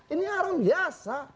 ini orang biasa